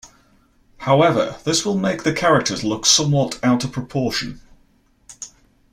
However, this will make the characters look somewhat out of proportion.